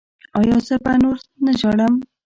ایا زه به نور نه ژاړم؟